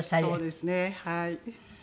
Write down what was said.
そうですねはい。